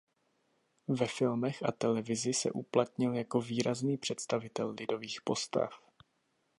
Ve filmech a televizi se uplatnil jako výrazný představitel lidových postav.